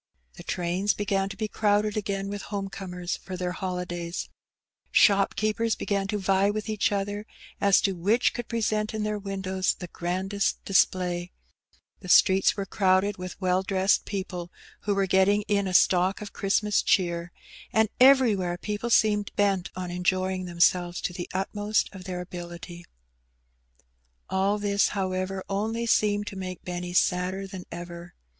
The trains began to be crowded again with home comers for their holidays; shopkeepers began to vie with each other as to which could present in their windows the grandest display; the streets were crowded with well dressed people who were getting in a stock of Christmas cheer; and everywhere people seemed bent on enjoying themselves to the utmost of their ability. All this^ however^ only seemed to make Benny sadder than ever.